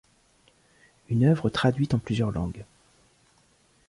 Une œuvre traduite en plusieurs langues.